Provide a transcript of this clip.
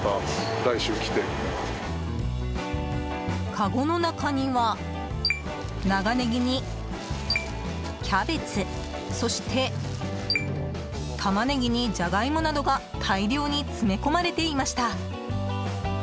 かごの中には長ネギにキャベツそして、タマネギにジャガイモなどが大量に詰め込まれていました。